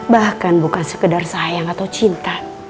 bahkan bukan sekedar sayang atau cinta